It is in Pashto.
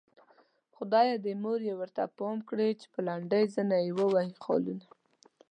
خدايه د مور يې ورته پام کړې چې په لنډۍ زنه يې ووهي خالونه